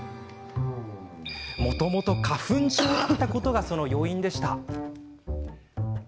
もともと花粉症だったことがその要因でした。